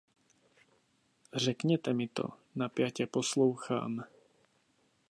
Řekněte mi to, napjatě poslouchám.